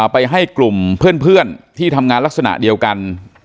ไปให้กลุ่มเพื่อนที่ทำงานลักษณะเดียวกัน